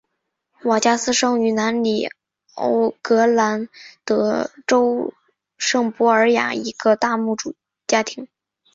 瓦加斯生于南里奥格兰德州圣博尔雅一个大牧主家庭。